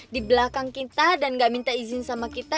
di belakang kita dan gak minta izin sama kita